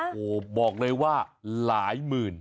โอ้โหบอกเลยว่าหลายหมื่น